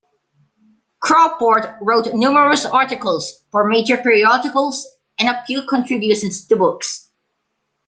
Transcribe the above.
Crawford wrote numerous articles for major periodicals and a few contributions to books.